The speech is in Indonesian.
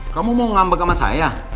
kamu mau ngambek sama saya